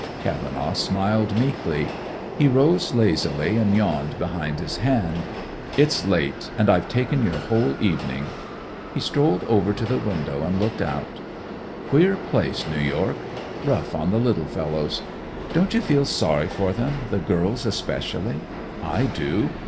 Cavenaugh smiled meekly. He rose lazily and yawned behind his hand. "It's late, and I've taken your whole evening." He strolled over to the window and looked out. "Queer place, New York; rough on the little fellows. Don't you feel sorry for them, the girls especially? I do.